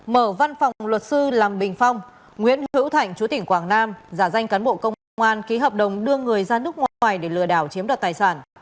mở văn phòng luật sư làm bình phong nguyễn hữu thạnh chú tỉnh quảng nam giả danh cán bộ công an ký hợp đồng đưa người ra nước ngoài để lừa đảo chiếm đoạt tài sản